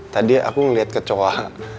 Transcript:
tadi aku ngeliat ke cowok